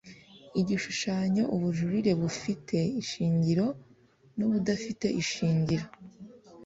Igishushanyo Ubujurire bufite ishingiro n ubudafite ishingiro